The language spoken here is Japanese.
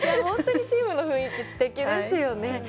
本当にチームの雰囲気すてきですよね。